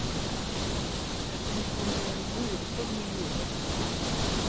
Atriku-nni-inu yeqqel mi yurad.